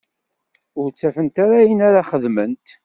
Ur ttafent ara ayen ara xedment.